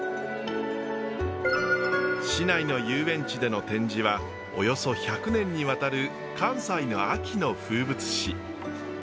市内の遊園地での展示はおよそ１００年にわたる関西の秋の風物詩。